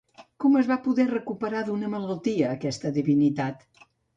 Com es va poder recuperar d'una malaltia aquesta divinitat?